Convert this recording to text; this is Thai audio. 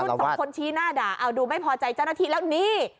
ไวรุ่น๒คนชี้หน้าด่าดูไม่พอใจเจ้าหน้าที่แล้วนี่